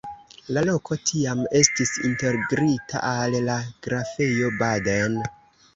La loko tiam estis integrita al la Grafejo Baden.